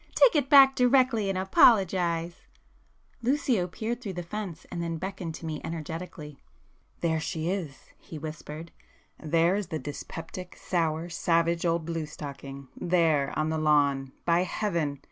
Take it back directly and apologise!" Lucio peered through the fence, and then beckoned to me energetically. "There she is!" he whispered, "There is the dyspeptic, sour, savage old blue stocking,—there, on the lawn,—by Heaven!